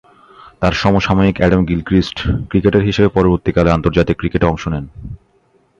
তার সমসাময়িক Adam Gilchrist cricketer হিসেবে পরবর্তীকালে আন্তর্জাতিক ক্রিকেটে অংশ নেন।